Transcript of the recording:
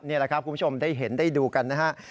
นี่แหละครับคุณผู้ชมได้เห็นได้ดูกันนะฮะ